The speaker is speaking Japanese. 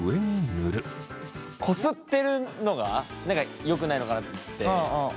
こすってるのが何かよくないのかなと思って。